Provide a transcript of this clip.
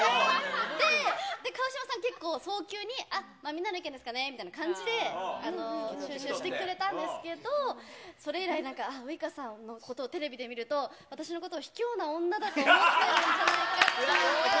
で、川島さん、結構早急に、あっ、みんなの意見ですかねみたいな感じで収拾してくれたんですけど、それ以来、なんか、ウイカさんのことをテレビで見ると私のことをひきょうな女だと思ってるんじゃないかと。